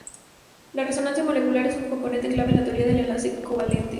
La resonancia molecular es un componente clave en la teoría del enlace covalente.